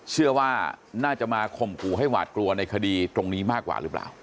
เชื่อว่าน่าจะมาข่มขู่ให้หวาดกลัวในคดีตรงนี้มากกว่าหรือเปล่า